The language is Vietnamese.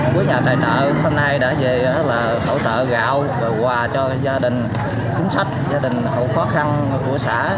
quý nhà tài nợ hôm nay đã về là hỗ trợ gạo quà cho gia đình khốn sách gia đình khó khăn của xã